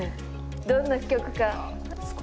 どんな曲か？